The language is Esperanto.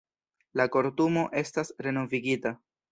La Kortumo estas renovigita.